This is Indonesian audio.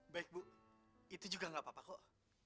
baik bu itu juga gak apa apa kok